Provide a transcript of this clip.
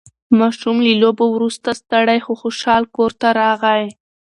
ماشوم له لوبو وروسته ستړی خو خوشحال کور ته راغی